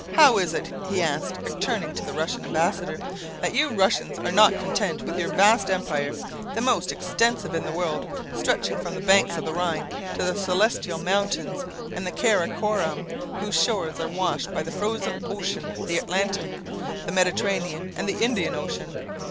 "How is it," he asked, turning to the Russian ambassador, "that you Russians are not content with your vast empire, the most extensive in the world, stretching from the banks of the Rhine to the Celestial Mountains and the Kara Korum, whose shores are washed by the Frozen Ocean, the Atlantic, the Mediterranean, and the Indian Ocean?